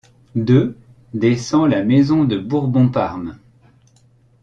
D'eux descend la Maison de Bourbon-Parme.